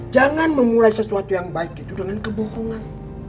jangan memulai sesuatu yang baik itu dengan kebohongan